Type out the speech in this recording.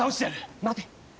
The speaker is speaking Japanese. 待て！